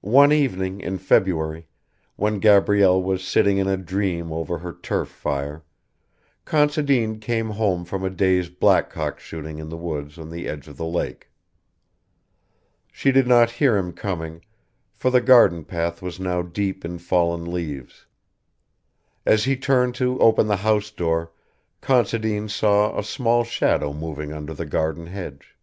One evening in February, when Gabrielle was sitting in a dream over her turf fire, Considine came home from a day's blackcock shooting in the woods on the edge of the lake. She did not hear him coming, for the garden path was now deep in fallen leaves. As he turned to open the house door Considine saw a small shadow moving under the garden hedge.